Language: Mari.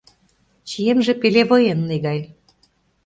Чиемже пеле военный гай.